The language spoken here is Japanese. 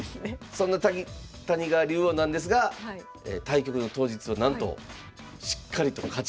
そんな谷川竜王なんですが対局の当日はなんとしっかりと勝ちきられたと。